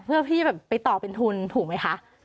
เพื่อพี่แบบไปต่อเป็นทุนถูกไหมคะ